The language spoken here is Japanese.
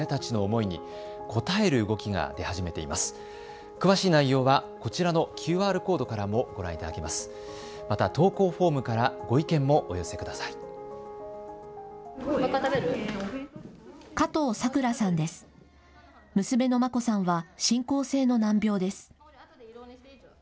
娘の真心さんは進行性の難病です。